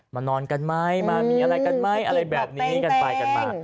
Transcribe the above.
นอนกันไหมมามีอะไรกันไหมอะไรแบบนี้กันไปกันมา